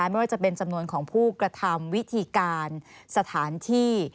ไม่ว่าจะเป็นจำนวนของผู้กระทำวิธีการสถานที่